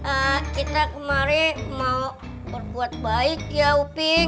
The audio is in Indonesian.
ya kita kemarin mau berbuat baik ya uping